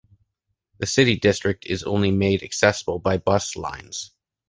The city district is only made accessible by bus lines.